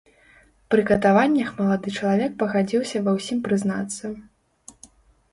Пры катаваннях малады чалавек пагадзіўся ва ўсім прызнацца.